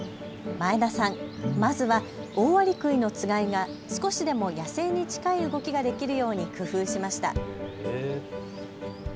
前田さん、まずはオオアリクイのつがいが少しでも野生に近い動きができるように工夫しました。